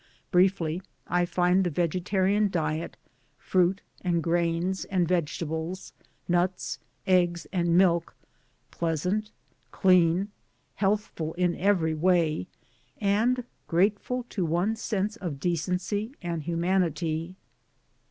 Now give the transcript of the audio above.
Briefly I find the vegetarian diet fruit and grains and vegetables, nuts, eggs, and milk pleasant, clean, healthful in every way, and grateful to one's sense of decency and humanity.